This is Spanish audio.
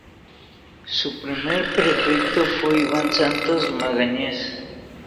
Su primer prefecto fue Ivan Santos Magalhães.